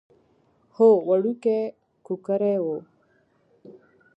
هو وړوکی کوکری و.